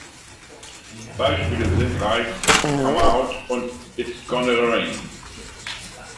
Beispiele sind Reichs „Come Out“ und „It's Gonna Rain“.